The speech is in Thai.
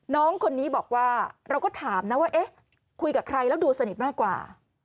น้องคนนี้บอกว่าเราก็ถามนะว่าเอ๊ะคุยกับใครแล้วดูสนิทมากกว่า